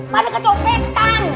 mereka cobek mak